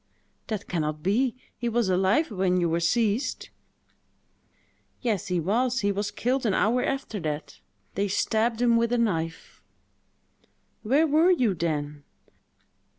"That can not be: he was alive when you were seized!" "Yes, he was; he was killed an hour after that. They stabbed him with a knife." "Where were you then?"